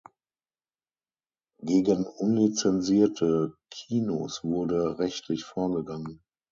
Gegen unlizenzierte Kinos wurde rechtlich vorgegangen.